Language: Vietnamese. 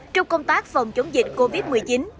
trong công tác phòng chống dịch covid một mươi chín